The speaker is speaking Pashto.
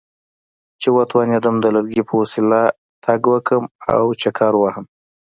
چې وتوانېدم د لرګي په وسیله تګ وکړم او چکر ووهم.